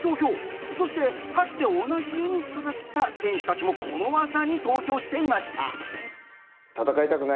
そしてかつて同じユニットだった選手たちもこの技に投票していました